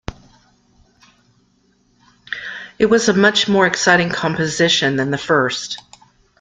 It was a much more exciting composition than the first.